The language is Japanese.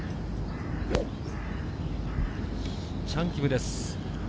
チャン・キムです。